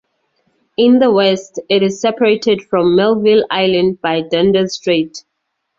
In the west, it is separated from Melville Island by Dundas Strait.